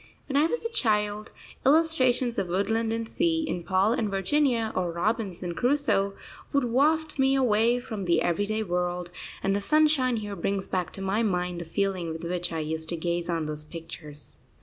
When I was a child, illustrations of woodland and sea, in Paul and Virginia, or Robinson Crusoe, would waft me away from the everyday world; and the sunshine here brings back to my mind the feeling with which I used to gaze on those pictures.